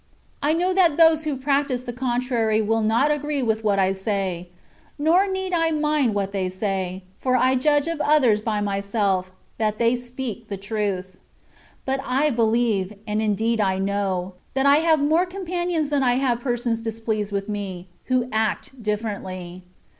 I know that those who practise the contraiy wiU not agree with what I say ; nor need I mind what they say, for I judge of others by myself, that they speak the truth. But I be lieve, and indeed I know, that I have more com panions than I have persons displeased with me, who act differently.